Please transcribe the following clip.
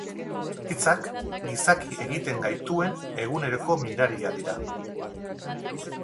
Hitzak gizaki egiten gaituen eguneroko miraria dira.